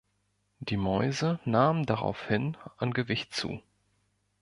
Die Mäuse nahmen darauf hin an Gewicht zu.